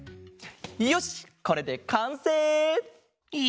よしこれでかんせい！